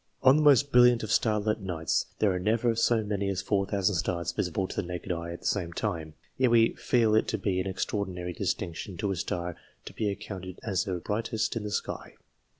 On the most brilliant of starlight nights there are never so many as 4,000 stars visible to the naked eye at the same time ; yet we feel it to be an extraordinary distinction to a star to be accounted as the brightest in the sky.